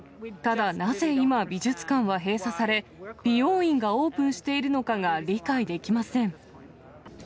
ただなぜ今、美術館は閉鎖され、美容院がオープンしているのかが理解できません。